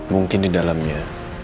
mungkin di dalamnya